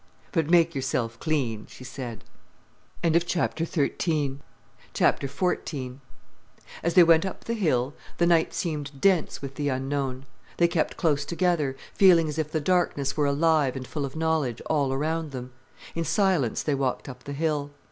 "But make yourself clean," she said. XIV As they went up the hill, the night seemed dense with the unknown. They kept close together, feeling as if the darkness were alive and full of knowledge, all around them. In silence they walked up the hill.